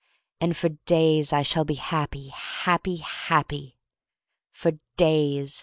And for days I shall be happy — happy — happy! For days!